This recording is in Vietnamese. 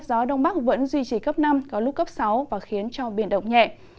gió đông bắc vẫn duy trì cấp năm có lúc cấp sáu và khiến cho biển động nhẹ